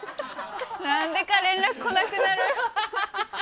何でか連絡来なくなる。